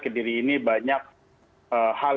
kediri ini banyak hal